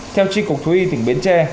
theo trích cục thú y tỉnh bến tre